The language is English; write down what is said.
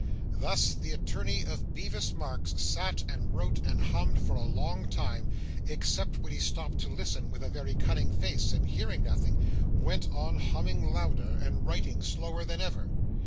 Thus, the attorney of Bevis Marks sat, and wrote, and hummed, for a long time, except when he stopped to listen with a very cunning face, and hearing nothing, went on humming louder, and writing slower than ever.